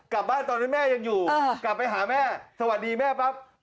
ตอนนั้นแม่ยังอยู่กลับไปหาแม่สวัสดีแม่ปั๊บ